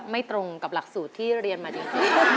ไม่ตรงกับหลักสูตรที่เรียนมาจริง